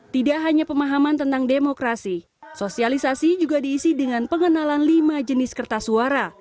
tidak hanya pemahaman tentang demokrasi sosialisasi juga diisi dengan pengenalan lima jenis kertas suara